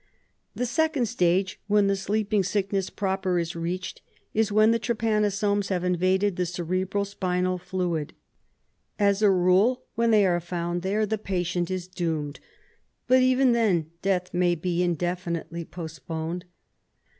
The second stage, when the sleeping sickness proper is reached, is when the trypanosomes have invaded the cerebro spinal fluid. As a rule, when they are found there, the patient is doomed, but even then death may be indefinitely postponed.